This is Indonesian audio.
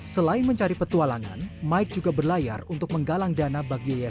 selain mencari petualangan mike juga berlayar untuk menggalang dana berhasil mencapai penyelamat